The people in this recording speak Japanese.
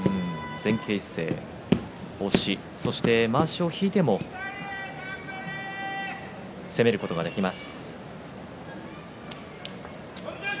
前傾姿勢の押しそして、まわしを引いても攻めることができます。